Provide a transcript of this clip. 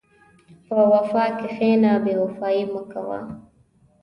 په وفا کښېنه، بېوفایي مه کوه.